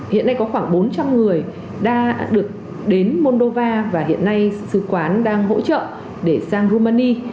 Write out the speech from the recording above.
hiện nay có khoảng bốn trăm linh người đã được đến moldova và hiện nay sứ quán đang hỗ trợ để sang rumani